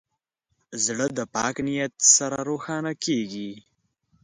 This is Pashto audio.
زړه د پاک نیت سره روښانه کېږي.